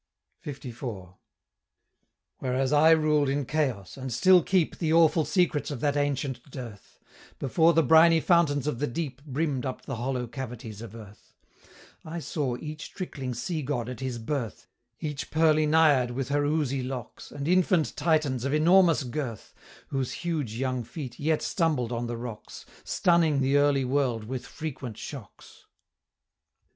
LXIV. "Whereas I ruled in Chaos, and still keep The awful secrets of that ancient dearth, Before the briny fountains of the deep Brimm'd up the hollow cavities of earth; I saw each trickling Sea God at his birth, Each pearly Naiad with her oozy locks, And infant Titans of enormous girth, Whose huge young feet yet stumbled on the rocks, Stunning the early world with frequent shocks."